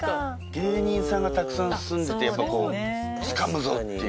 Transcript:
芸人さんがたくさん住んでてやっぱこうつかむぞっていう。